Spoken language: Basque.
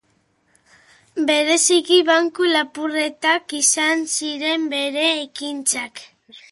Bereziki banku lapurretak izan ziren bere ekintzak.